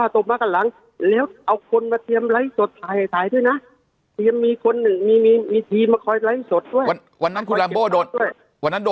ตกมาก็หลังแล้วเอาคุณมาเคยเณ็บไล่สดชัยด้วยนะเฮียมีคนมีมีมีทีมะครนะ